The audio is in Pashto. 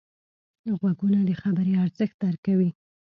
غوږونه د خبرې ارزښت درک کوي